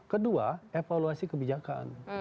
kedua evaluasi kebijakan